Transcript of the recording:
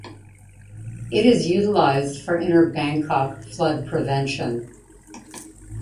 It is utilized for inner Bangkok flood prevention.